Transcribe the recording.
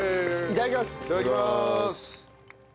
いただきまーす。